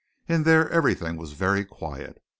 In there everything was very quiet.